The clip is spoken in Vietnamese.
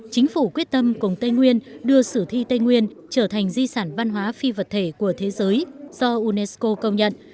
chính phủ quyết tâm cùng tây nguyên đưa sử thi tây nguyên trở thành di sản văn hóa phi vật thể của thế giới do unesco công nhận